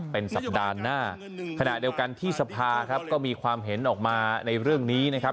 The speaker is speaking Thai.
เป็นสัปดาห์หน้าขณะเดียวกันที่สภาครับก็มีความเห็นออกมาในเรื่องนี้นะครับ